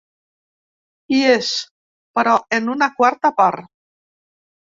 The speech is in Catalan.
Hi és, però en una quarta part.